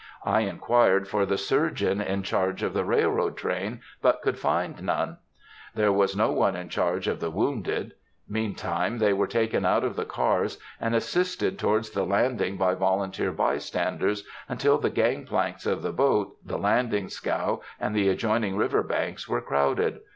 I inquired for the surgeon in charge of the railroad train, but could find none. There was no one in charge of the wounded. Meantime they were taken out of the cars, and assisted towards the landing by volunteer bystanders, until the gang planks of the boat, the landing scow, and the adjoining river banks were crowded.